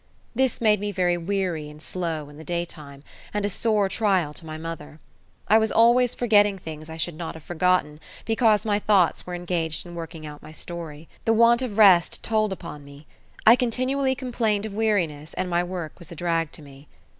This made me very weary and slow in the daytime, and a sore trial to my mother. I was always forgetting things I should not have forgotten, because my thoughts were engaged in working out my story. The want of rest told upon me. I continually complained of weariness, and my work was a drag to me.